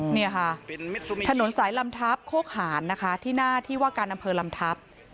เนี่ยค่ะถนนสายลำทัพโคกหารนะคะที่หน้าที่ว่าการอำเภอลำทัพ